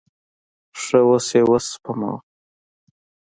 ښه، اوس یی وسپموه